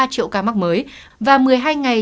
ba triệu ca mắc mới và một mươi hai ngày